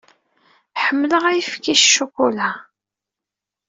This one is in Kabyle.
Ḥemmleɣ ayefki s ccukula.